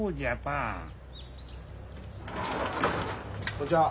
こんちは！